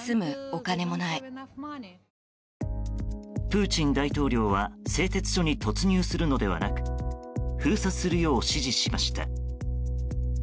プーチン大統領は製鉄所に突入するのではなく封鎖するよう指示しました。